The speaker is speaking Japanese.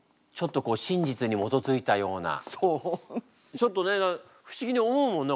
ちょっとね不思議に思うもんね